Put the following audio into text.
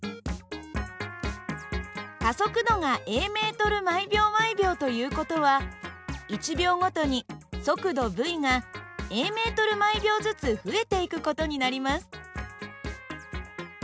加速度がａｍ／ｓという事は１秒ごとに速度υがａｍ／ｓずつ増えていく事になります。